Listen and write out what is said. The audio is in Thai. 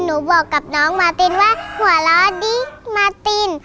บอกกับน้องมาตินว่าหัวเราะดิมาติน